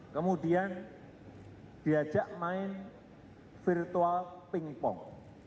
kemudian diajak main virtual pingpong